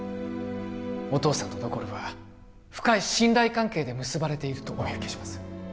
お父さんとノコルは深い信頼関係で結ばれているとお見受けします